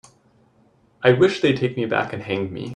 I wish they'd take me back and hang me.